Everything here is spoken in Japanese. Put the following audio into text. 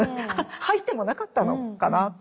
入ってもなかったのかなって。